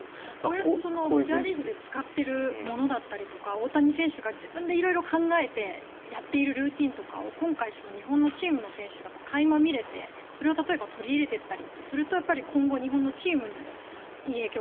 こうやってメジャーリーグで使っているものだったり大谷選手が自分で色々考えてやっているルーティンとかを今回、日本のチームの選手がかいま見れてそれを例えば取り入れていったりすると今後日本のチームにもいい影響が。